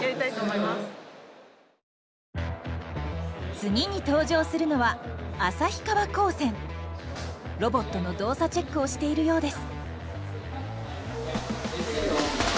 次に登場するのはロボットの動作チェックをしているようです。